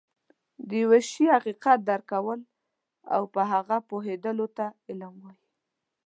د يوه شي حقيقت درک کول او په هغه پوهيدلو ته علم وایي